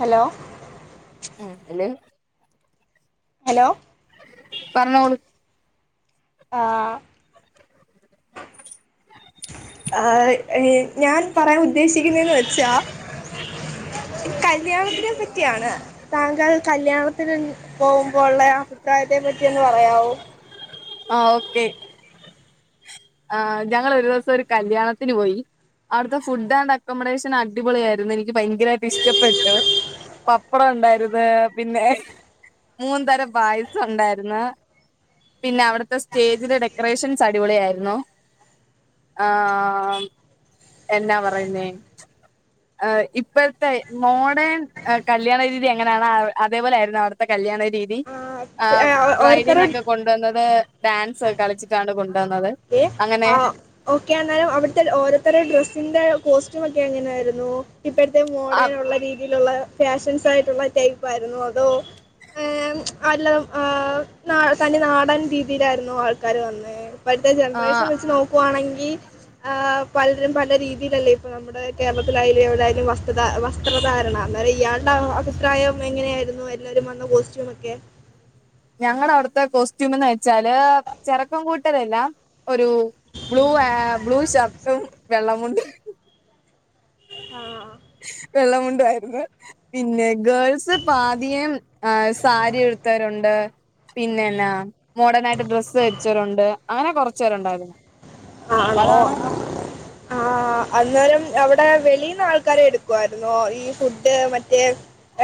Hello? ആഹ് hello hello പറഞ്ഞോളൂ ആഹ് ആഹ് ഈ ഞാൻ പറയാൻ ഉദ്ദേശിക്കുന്നേന്ന് വെച്ചാ ഈ കല്യാണത്തിനെ പറ്റിയാണ് താങ്കൾ കല്യാണത്തിന് പോവുമ്പോ ഒള്ള അഭിപ്രായത്തെ പറ്റി ഒന്ന് പറയാവോ ആഹ് ഓക്കെ ആഹ് ഞങ്ങളൊരു ദെവസം ഒരു കല്യാണത്തിന് പോയി അവ്ടുത്തെ ഫുഡ് ആൻഡ് അക്കോമഡേഷൻ അടിപൊളി ആയിരുന്നു എനി ക്ക് ഭയങ്കരായിട്ട് ഇഷ്ടപ്പെട്ടു പപ്പടം ഉണ്ടായിരുന്നു പിന്നെ മൂന്ന് തരം പായസം ഒണ്ടാര്ന്ന് പിന്നെ അവ്ടുത്തെ സ്റ്റേജിലെ ഡെക്കറേഷൻസ് അടിപൊളി ആയിരുന്നു ആഹ് എന്നാ പറയുന്നേ ആഹ് ഇപ്പൊഴത്തെ മോഡേൺ ഏഹ് കല്യാണ രീതി എങ്ങനാണ് അ അതേ പോലെ ആയിരുന്നു അവ്ട് ത്തെ കല്യാണ രീതി ഏഹ് ആഹ് ഓരോരുത്തരുടെ ബ്രൈഡിനേക്ക കൊണ്ടുവന്നത് ഡാൻസ് ഒക്കെ കളിച്ചി ട്ടാണ് ആ കൊണ്ടു വന്നത് ഓക്കെ അങ്ങനെ ആ ഓക്കെ അന്നേരം അവ്ടുത്തെ ഓരോര്ത്തരെ ഡ്രെസ്സിന്റെ കോസ്റ്റ്യൂം ഒക്കെ എങ്ങനെ ആയിരുന്നു ഇപ്പൊഴത്തെ ആ മോഡേൺ ഒള്ള രീതിയിലുള്ള ഫാഷൻസ് ആയിട്ടുള്ള ടൈപ്പ് ആയിരുന്നൊ അതോ ഏഹ് അല്ല ആഹ് നാ തനി നാടാൻ രീതിയിലായിരുന്നോ ആൾക്കാര് വന്നേ ഇപ്പഴ്‌ത്തെ ആ ജനറേഷൻ വെച്ച് നോ ക്കുവാണെങ്കി ആഹ് പലരും പല രീതിയിലല്ലേ ഇപ്പ നമ്മുടെ കേരളത്തിലായാലും എവ്ടെ ആയാലും വസ് [unintelligible] വസ്ത്രധാരണ അന്നേരം ഇയാളുടെ അഭിപ്രായം എങ്ങനെയായിരുന്നു എല്ലരും വന്ന കോസ്റ്റ്യൂമൊക്കെ ഞങ്ങടെ അവ്ടുത്തെ കോസ്റ്റ്യൂമെന്ന് വെച്ചാല് ചെറുക്കൻ കൂട്ടരെല്ലാം ഒരു ബ്ലൂ ഏഹ് ബ്ലൂ ഷർട്ടും വെള്ളമുണ്ടും ആഹ് ആഹ് വെള്ളമുണ്ടും ആയിരുന്നു പിന്നെ ഗേൾസ് പാതിയേം ഏഹ് സാരി എടുത്തവരൊണ്ട് പിന്നെന്നാ മോഡേൺ ആയിട്ട് ഡ്രസ്സ് ധരിച്ചവരൊണ്ട് അങ്ങനെ കൊറച്ച് പേരൊണ്ടായിരുന്നു ആണോ ആഹ് അന്നേരം അവ് ടെ വെളീന്ന് ആൾക്കാരെ എടുക്കുവായിരുന്നോ ഈ ഫുഡ് മറ്റേ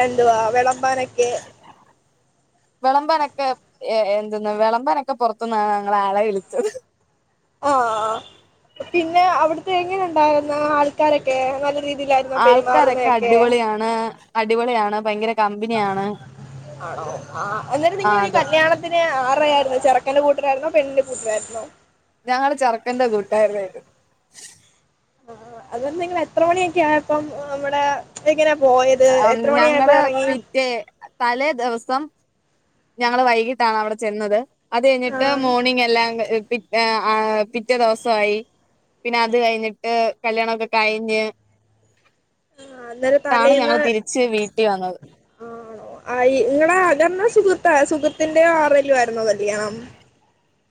എന്തുവാ വെളമ്പാനെക്കെ വെളമ്പനൊക്കെ എ എന്തുന്ന് വെളമ്പനൊക്കെ പൊറത്തുന്നാ ഞങ്ങള് ആളെ വിളിച്ചത് ആഹ് ആഹ് പിന്നെ അവിടുത്തെ എങ്ങനെ ഉണ്ടായിരുന്നു ആൾക്കാരൊക്കെ നല്ല രീതിയിലാ ആൾക്കാരൊക്കെ അടിപൊളിയാണ് അടിപൊളിയാണ് ഭയങ്കര കമ്പനിയാണ് ആണോ ആഹ് എന്നാലും ആ നിങ്ങളീ അതെ കല്യാണ ത്തിന് ആറ്ടേ ആയിരുന്നു ചെറുക്കന്റെ കൂട്ടരാര്ന്നോ പെണ്ണിന്റെ കൂട്ടരാരുന്നോ ഞങ്ങള് ചെറുക്കന്റെ കൂട്ട്കാരായിരുന്നു ആഹ് അതങ്ങ് നിങ്ങള് എത്ര മണിയൊക്കെ ആയപ്പം ഇവിടെ [unintelligible] എങ്ങനാ പോയത് എത്ര മണി ആയപ്പോ ഞങ്ങള് എറങ്ങി? [unintelligible] തലേ ദെവസം ഞങ്ങള് വൈകിട്ടാണ് അവിടെ ചെന്നത് അത് ആ കഴിഞ്ഞിട്ട് മോർണിംഗ് എല്ലാം ക പി ഏഹ് ആഹ് പിറ്റേ ദെവസായി പിന്നെ അത് കഴിഞ്ഞിട്ട് കല്യണൊക്ക കഴിഞ്ഞ് ആ, അന്നേരം ട്ടാണ് ഞങ്ങള് തിരിച്ച് വീട്ടി വന്നത് ആഹ് ആണോ ആഹ് ഇ ഇങ്ങളെ അകർന്ന സുഹൃത്താ സുഹൃത്തിന്റെയോ ആരുടേങ്കിലും ആയിരുന്നോ കല്യാണം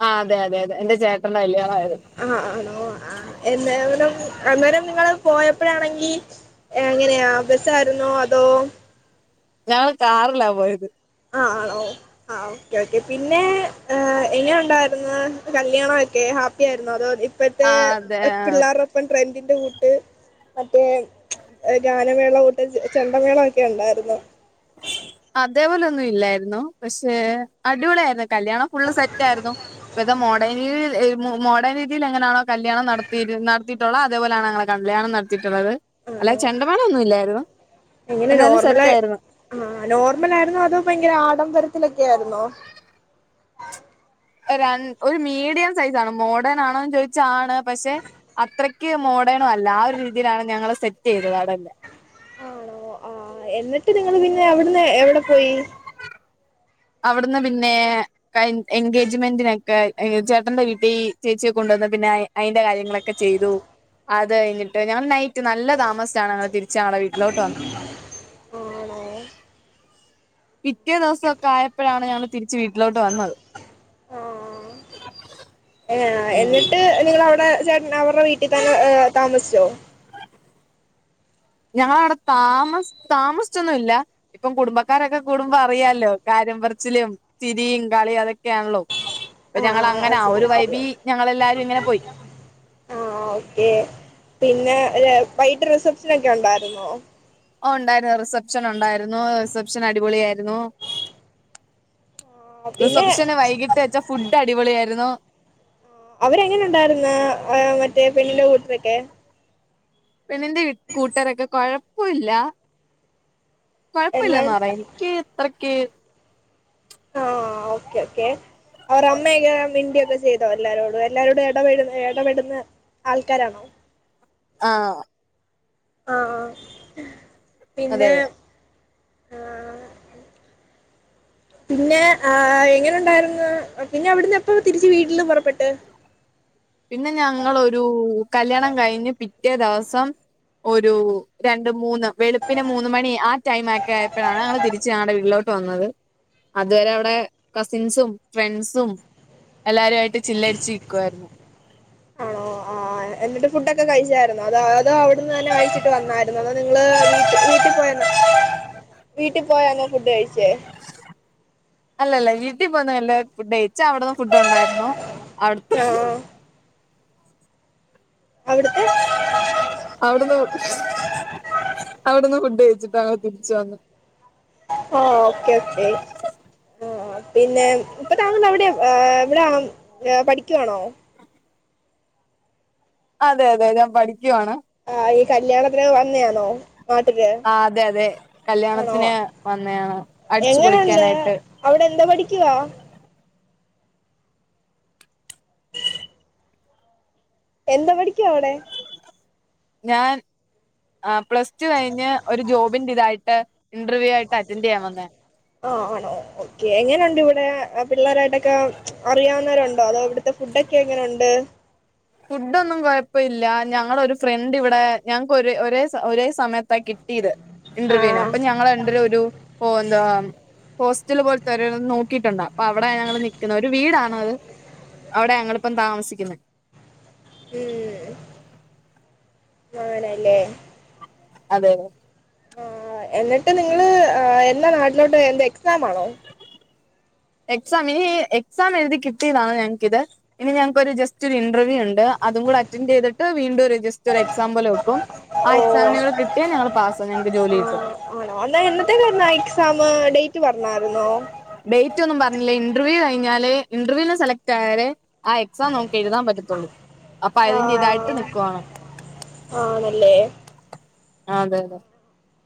ആഹ് അതെ അതെ അതെ എന്റെ ചേട്ടന്റെ കല്യാണം ആയിരുന്നു ആഹ് ആണോ ആഹ് എന്തായാലും അന്നേരം നിങ്ങള് പോയപ്പഴാണെങ്കി എങ്ങനെയാ ബസായിരുന്നോ അതോ ഞാൻ കാറിലാ പോയത് ആഹ് ആ ഓ ആഹ് ഓക്കെ ഓക്കെ പിന്നെ എങ്ങനെ ഉണ്ടായിരുന്ന കല്യാണൊക്കെ ഹാപ്പി ആയിരുന്നു അതോ? പ്പറ്റേ ആ അതെ പിള്ളേരുടൊപ്പം ട്രെൻഡിന്റെ കൂട്ട്- മറ്റേ ഗാനമേള കൂട്ട ചെണ്ടമേള ഒക്കെ ഉണ്ടായിരുന്നു ഉ അതേപോലെ ഒന്നും ഇല്ലായിരുന്നു പക്ഷെ അടിപൊളിയ ആയിരുന്നു കല്യാണം ഫുള്ള് സെറ്റ ആായിരുന്നു ഇപ്പ ഇത് മോഡേൺ രീതിൽ മോഡേൺ രീതിയിൽ എങ്ങനാണോല്യാണംത്തി നടത്തി- അതേപോലെയാണ് ങ്ങള് കല്യാണം നടത്തിയിട്ടുള്ളത്. അല്ല ആണോ ചെണ്ടമാളൊന്നുംല്ലായിരുന്നു എങ്ങനെ എന്നാലും സെറ്റ് നോർമലായി ആയിരുന്നു ആ നോർമൽ ആരുന്നോ അതോ ഭയങ്കര ആഡംബരത്തിലൊക്കെ ആയിരുന്നോ? ഒരു മീഡിയം സൈസ് ആണ് മോഡേൺ ആണോന്ന് ചോദിച്ചാ ആണ് പക്ഷെ അത്രയ്ക്ക് മോഡേണ അല്ല ആ ഒരു രീതിയിലാണ് ഞങ്ങള്ൾ സെറ്റ് ചെയ്തത് അവിടെന്നെ ആണോ ആ എന്നിട്ട് നിങ്ങള് പിന്നെ അവിടുന്ന് എവിടെ പോയി അവിടെല്ലാം അവിടുന്ന് പിന്നെ- എൻഗേജ്മെന്റിനൊക്കെ ചേട്ടന്റെ വീട്ടിൽ ഈ ചേച്ചിയെ കൊണ്ടുവന്ന പിന്നെ- അയിന്റെ കാര്യങ്ങളൊക്കെ ചെയ്തു അത് കഴിഞ്ഞിട്ട് ഞങ്ങൾ നൈറ്റ് നല്ല താമസണ് ഞങ്ങള് തിരിച് ഞങ്ങളെ വീട്ടിലോട്ട് വന്നത് ആണോ പിറ്റേ ദിവസം ഒക്കെ ആയപ്പോഴാണ് ഞങ്ങള് തിരിച്ച് വീട്ടിലോട്ട് വന്നത് ആ ഏ ഉം എന്നിട്ട് നിങ്ങ അവിടെ ചേട്ട അവരുടെ വീട്ടിൽ തന്നെ താമസിച്ചോ? ഞങ്ങള അവിടെ താമ താമസിച്ചൊന്നുല്ല ഇപ്പം കുടുംബക്കാരൊക്കെ കൂടുമ്പോ അറിയാലോ കാര്യം പറച്ചിലും ചിരിയും കളിയും അതൊക്കെയാണല്ലോ അപ്പൊ ആ ഞങ്ങള ആ അങ്ങനെ ശരി ഒരു ശരി വൈബി ഞങ്ങളെല്ലാരും ങ്ങനെ പോയി ആ ഓക്കേ പിന്നെ വൈറ്റ് റിസപ്ഷൻ ഒക്കെ ഉണ്ടായിരുന്നോ ഓ ഉണ്ടായിരുന്നു റിസപ്ഷൻ ഉണ്ടായിരുന്നു റിസപ്ഷൻ അടിപൊളിയ ആയിരുന്നു ആഹ് റിസപ്ഷന് വൈകിട്ട് വെച്ചാ ഫുഡ് അടിപൊളിയായിരുന്നു അവരെങ്ങനെ ഉണ്ടായിരുന്ന മറ്റേ പെണ്ണിന്റെ കൂട്ടരൊക്കെ? പെണ്ണിന്റെ കൂട്ടാരൊക്കെ കൊഴപ്പില്ല എന്നാ കൊഴപ്പല്ലന്ന് പറയ ക്ക എത്രക്ക ആഹ് ഓക്കെ ഓക്കെ അവർ അമ്മയൊക്കെ മിണ്ടിയൊക്കെ ചെയ്തോ എല്ലാരോടും എല്ലാരോടും ഇടപെട ഇടപെടുന്ന- ആൾക്കാരാണോ? ആഹ് ആഹ് ആഹ് അതെ പിന്നെ അതെ [inaudible] പിന്നെ ആഹ് എങ്ങനെണ്ടായിരുന്നു പിന്ന അവിടുന്ന് എപ്പ തിരിച്ച് വീട്ട്‌ല് പൊറപ്പെട്ട് പിന്നെ ഞങ്ങളൊരു കല്യാണം കഴിഞ്ഞ് പിറ്റേ ദെസം ഒരു രണ്ട് മൂന്ന് വെളുപ്പിന് മൂന്ന് മണി ആ ടൈം ഒക്കെ ആയപ്പഴാണ് ഞങ്ങൾ തിരിച്ച് ഞങ്ങടെ വീട്ട്ലോട്ട് വന്നത് അതുവരെ അവിടെ കസിൻസും ഫ്രണ്ട്സും എല്ലാരുവായ്ട്ട് ചില്ലടിച്ചിക്കാരുന്നു ആണോ ആഹ് എന്നിട്ട് ഫുഡൊക്കെ കഴിച്ചായിരുന്നോ അതോ അതോ അവിടുന്ന് തന്നെ കയ്ച്ചിട്ട് വന്നായിര്ന്നോ തോ നിങ്ങള് വീട്ട് വീട്ടീ പോയന്നോ വീട്ടി പോയാന്നോ ഫുഡ് കഴിച്ചേ അല്ലല്ല വീട്ടിപ്പോ നല്ല ഫുഡയ്ച്ചാഅവിടന്ന് ഫുഡ് ഉണ്ടായിരുന്നു അവിട ആഹ് അവിട്ത്തെ അവിടുന്ന് അവിടുന്ന് ഫുഡ് കഴിച്ചിട്ടാണോ തിരിച്ചു വന്നേ? ഓക്കെ ഓക്കെ ആഹ് പിന്നെ ഇപ്പ താങ്കൾ അവിടെയാ എവിടെ പഠിക്ക്യുവാണോ? അതെ അതെ ഞാൻ പഠിക്ക്യുവാണ് ആഹ് ഈ കല്യാണത്തിന് വന്നെയാണോ? നാട്ട്ല് ആഹ് അതെ അതെ കല്യാണത്തിന് വന്നെയാണ് അടിച്ചുപൊളിക്കാനായിട്ട് അവിടെന്താ പഠിക്ക്യുവാ എന്ത പഠിക്യാ അവിടെ ഞാൻ അഹ് പ്ലസ് ടു കഴിഞ്ഞ് ഒരു ജോബിന്റിതായിട്ട് ഇന്റർവ്യൂ ആയിട്ട് അറ്റന്റെയ്യാൻ വന്നെയ ആണോ ഓക്കെ എങ്ങനെയുണ്ട് വിടെ പിള്ളേരായിട്ടൊക്കെ അറിയാവുന്നവരുണ്ടോ അതോ ഇവിടുത്തെ ഫുഡൊക്കെ എങ്ങനൊണ്ട്? ഫുഡൊന്നും കൊഴപ്പഇല്ല. ഞങ്ങളൊരു ഫ്രണ്ടിവിടെ ഞങ്ങക്കൊ ഒ ഒരേ ഒരേ സമയത്താ കിട്ടിയത് ആ ഇന്റർവ്യൂന് അപ്പൊ ഞങ്ങൾ രണ്ട്രരൊരു പോന്നു ഹോസ്റ്റൽ പോൽത്തൊരു നോക്കിട്ടുണ്ട് അപ്പ അവിടെ ഞങ്ങൾ നിക്കുന്നത് ഒരു വീടാണത് അവിടെ ഞങ്ങളിപ്പം താമസിക്കുന്നെ ഉം ആണല്ലേ? അതെ ആഹ് എന്നിട്ട് നിങ്ങള് എന്നാ നാട്ടിലോട്ട് എന്താ എക്സാമാണോ? എക്സാം ഇനി, എക്സാം എഴുതി കിട്ടിയതാണ് ഞങ്ങക്കിത് ഇനി ഞങ്ങക്കൊരു ജസ്റ്റ് ജസ്റ്റൊരു ഇന്റർവ്യൂ ഉണ്ട് അതും കൂടെ അറ്റൻഡെയ്തിട്ട് വീണ്ടും ഒര് ജസ് റ്റൊരു എക്സാം പോലെ വെക്കും. ആ ഓ എക്സാമിനൂടെ കിട്ടിയാ ഞങ്ങള് പാസ് ഞങ്ങക്ക് ആ ജോലികിട്ടും ആണോ അന്നാ എന്നത്തേക്കായിരുന്നു ആ എക്സാമ്. ഡേറ്റ് പർഞ്ഞാരുന്നോ? ഡേറ്റ് ഒന്നും പറഞ്ഞില്ല ഇന്റർവ്യൂ കഴിഞ്ഞാലെ ഇന്റർവ്യൂന്ന് സെലക്ട് ആയാലേ ആഹ് എക്സാം നമുക്ക് എഴുതാം പറ്റത്തുള്ളൂ. അപ്പൊ ആ അതിന്റെ ഇതായിട്ട് നിക്കുവാണ് ആണല്ലേ? അതെ അതെ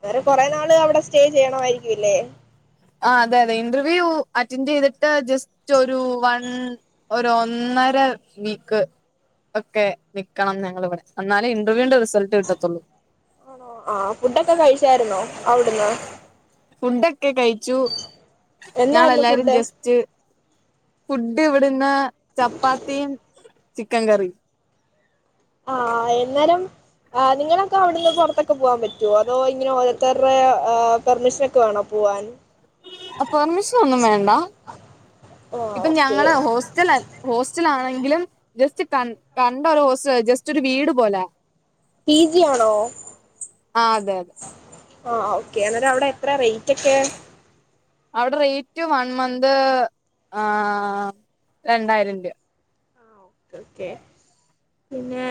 വേറെ കൊറെ നാള് അവിടെ സ്റ്റേ ചെയ്യണവായിരിക്ക്യൂ ലേ ആഹ് അതെ അതെ ഇന്റർവ്യൂ അറ്റൻഡെയ്തിട്ട് ജസ്റ്റ് ഒരു വൺ ഒരൊന്നര വീക്ക് ഒക്കെ നിക്കണം ഞങ്ങളിവിടെ എന്നാലേ ഇന്റർവ്യൂന്റെ റിസൾട്ട് കിട്ടത്തുള്ളൂ ആഹ് ഫുഡൊക്കെ കഴിച്ചായ്രുന്നോ അവിട്ന്ന്? ഫുഡൊക്കെ കഴിച്ചു, എന്തായിരുന്നു ഞങ്ങളെല്ലാരും ഫുഡ് ജസ് സ്റ്റ് ഫുഡ് ഇവിടിന്ന് ചപ്പാത്തിയും ചിക്കൻ കറിയും ആഹ് എന്നേരം ആഹ് നിങ്ങളൊക്കെ അവിടുന്ന് പുറത്തൊക്കെ പോവാൻ പറ്റോ അതോ ഇങ്ങനെ ഓരോത്തര്റെ പെർമിഷനൊക്കെ വേണോ പോവാൻ [inaudible] ആ പെർമിഷനെന്നും വേണ്ട ആ ഇത് ഓക്കെ ഞങ്ങളെ ഹേസ്. സ്റ്റെലൽ. ഹോസ്റ്റലാണെങ്കിലും ജെസ്റ്റ്കൺ കണ്ടെരു ഹോസ്റ്റലാ ജെസ്റ്റരു വീട് പോലാ. പി ജി ആണോ. ആ അതെ അതെ അ ആ ഓക്കേ ന്നിട്ട് അവിടെ എത്രയാ റൈറ്റെക്കെ. അവിടെ റൈറ്റ് വൺ മന്ത് ആഹ്‌ രണ്ടായിരം രൂപ. ക്കോക്കെ പിന്നെ..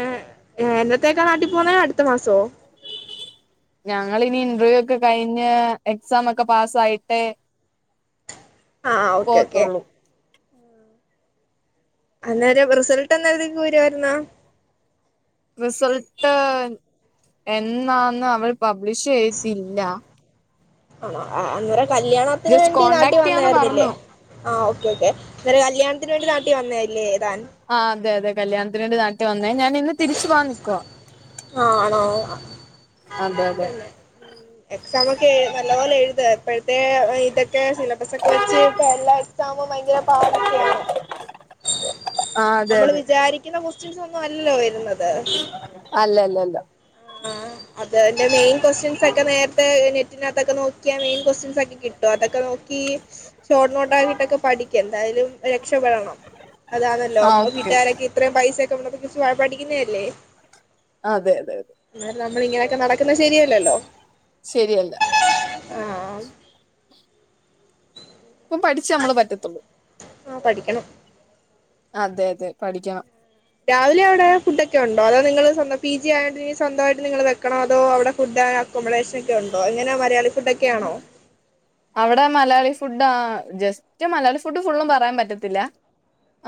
എന്നത്തേക്കാ നാട്ടീ പോന്നെ അട്ത്ത മാസോ. ഞങ്ങളിനി ഇന്റർവ്യൂക്കെ കഴിഞ്ഞ് എക്സാമെക്കെ പാസായിട്ടേ. ആഹ് ഓക്കെ ഓക്കെ പോവത്തൊള്ളൂ. അന്നേരം റിസൾട്ടെന്നാഴ്‌തി കൂരുവരുന്നോ. റിസൾട്ട്, എന്നാന്ന് അവൾ പബ്ലിഷ് ചെയ്തിട്ടില്ല. ആ ആ അന്നേര കല്യാണത്തിന് ജസ്റ്റ് വേണ്ടി നാട്ടീ കോണ്ടാക്ട് ചെയ്യാന്ന് വന്നായിരുന്നില്ലേ. പറഞ്ഞു ആഹ് ഓക്കെ ഓക്കെ ന്നേരം കല്യാണത്തിന് വേണ്ടി നാട്ടീവന്നല്ലേ താൻ. ആ അതെയതെ കല്യാണത്തിന് വേണ്ടി നാട്ടീ വന്നെ ഞാൻ ഇന്ന് തിരിച്ചു പോവാൻ നിക്കുവാ. ആണോ അ അതെ അതെ പിന്നെ ഉം എക്സാമെക്കെ എഴു നല്ലപോലെ എഴുത് ഇപ്പഴത്തെ ഇതൊക്കെ സിലബസൊക്കെ വെച്ച് ട്ടെല്ലാം ക്സാമ്പോ ഭയങ്കര പാടൊക്കെയാണ് ആ അതെ നമ്മള് അതെ വിചാരിക്കുന്ന കെസ്റ്റൻസെന്നല്ലല്ലോ വരുന്നത് അല്ല അല്ല ല്ല ആ അതൻ്റെ മെയിൻ കൊസ്റ്റ്യൻസെക്കെ നേരത്തെ നെറ്റിനകത്തൊക്കെ നോക്കിയാൽ മെയിൻ കൊസ്റ്റ്യൻസെക്കെ കിട്ടും ട്ടോ അതൊക്കെ നോക്കി ഷോർട്ട് നോട്ട് ആക്കിട്ടൊക്കെ പഠിക്ക് എന്തായാലും രക്ഷപെടണം അതാണല്ലോ ആ പ്പ ഓക്കെ വീട്ടാരൊക്കെ ഇത്രയും പൈസയൊക്കെ മ്മടച്ച് പഠിക്കുന്നതെല്ലേ ആ തെ തെ ന്നാലും നമ്മളിങ്ങനെക്കെ, നടക്കുന്നത് ശെരിയല്ലല്ലോ ശെരിയല്ല ആഹ് ഇപ്പം പഠിച്ചെ നമ്മള് പറ്റെത്തൂ ആഹ് പഠിക്കെണം അതെ അതെ പഠിക്കെണം രാവിലെ അവിടെ ഫുഡെക്കെണ്ടോ അതോ നിങ്ങള് സ്വന്തം പി ജി ആയേണ്ടിനി സ്വന്തയിട്ട് നിങ്ങള് വെക്കണേ അതോ അവിടെ ഫുഡാ ക്കോമഡേഷെനെക്കെണ്ടോ എങ്ങനെ മലയാളി ഫുഡൊക്കെണോ അവിടെ മലയാളി ഫുഡാ ജെസ്റ്റ് മലയാളിഫുഡ് ഫുള്ളുംപറയാൻ പറ്റത്തില്ല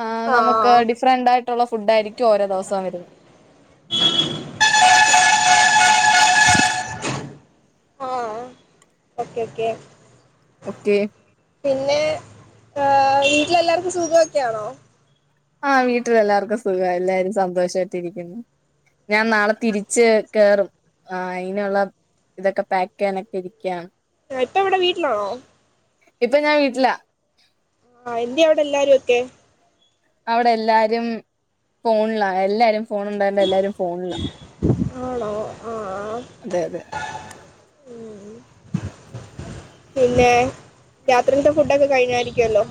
ആ നമുക്ക് ആഹ് ഡിഫ്റെന്റായിട്ടുള്ള ഫുഡായിരിക്കും ഓരോ ദിവസവും വരുന്നത് ആഹ് ഓക്കെ ക്കെ ഓക്കെ പിന്നെ ഹെ വീട്ടിലെല്ലാർക്കും സുഖക്കെണോ ആഹ് വീട്ടിലെല്ലാർക്കും സുഖാ എല്ലാരും സന്തോഷായിട്ടിരിക്കുന്നു ഞാൻ നാളെ തിരിച്ച് കേറും ആ അയിനുള്ള തൊക്കെ പേക്കെയ്യാനൊക്കെരിക്കാ ഇപ്പവിടെ വീട്ടിലാണോ ഇപ്പൊ ഞാവീട്ടിലാ ആ എന്ത്യ അവിടെല്ലാരെക്കെ അവിടെല്ലാരും ഫോണിലാല്ലാരും ഫോണ് ണ്ടായേണ്ടെല്ലാരും ഫോണിലാ ആണോ ആ അതെ അതെ ഉം പിന്നെ രാത്രിത്തെ ഫുഡൊക്കെ കഴിഞ്ഞായിരിക്കല്ലോ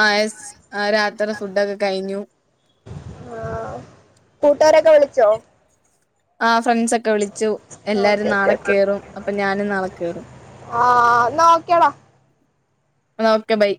ആ എസ് ആ രാത്രിത്തെഫുഡൊക്കെ കഴിഞ്ഞു ആഹ് കൂട്ടാരൊക്കെ വിളിച്ചോ ആ ഫ്രണ്ട്സെക്കെ വിളിച്ചു ആ എല്ലാരും ഓക്കെ ഓക്കെ നാളെകേറും അപ്പൊ ഞാനും നാളെകേറും ആഹ് ന്നേ കേടാ ന്നേക്കെ ബൈ